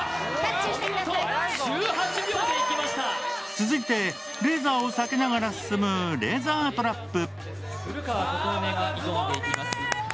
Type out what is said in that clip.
続いてレーザーを避けながら進むレーザートラップ。